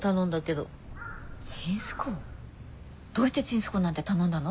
どうしてちんすこうなんて頼んだの？